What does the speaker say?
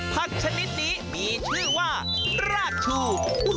ชนิดนี้มีชื่อว่ารากชู